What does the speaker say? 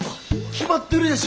決まってるでしょ